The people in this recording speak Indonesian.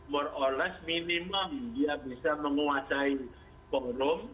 more or less minimum dia bisa menguasai forum